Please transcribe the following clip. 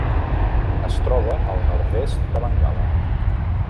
Es troba al nord-est de Bengala.